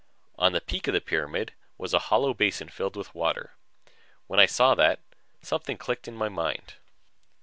On the peak of the pyramid was a hollow basin filled with water. When I saw that, something clicked in my mind.